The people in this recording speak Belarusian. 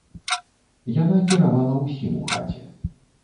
Яна кіравала ўсім у хаце.